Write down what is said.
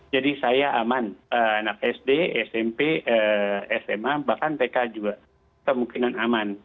jadi saya aman anak sd smp sma bahkan tk juga kemungkinan aman